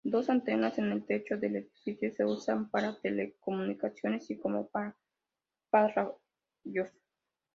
Dos antenas en el techo del edificio se usan para telecomunicaciones y como pararrayos.